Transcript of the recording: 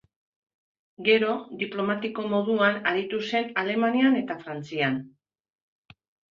Gero, diplomatiko moduan aritu zen Alemanian eta Frantzian.